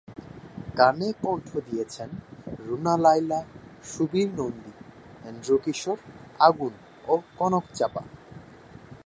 গানে কণ্ঠ দিয়েছেন রুনা লায়লা, সুবীর নন্দী, এন্ড্রু কিশোর, আগুন ও কনক চাঁপা।